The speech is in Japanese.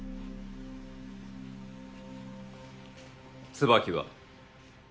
椿は？